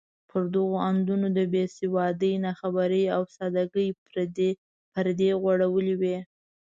پر دغو اندونو د بې سوادۍ، ناخبرۍ او سادګۍ پردې غوړېدلې وې.